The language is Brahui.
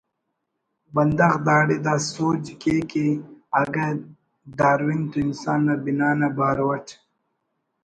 بندغ داڑے دا سوج کے کہ اگہ ڈارون تو انسان نا بنا نا باور اٹ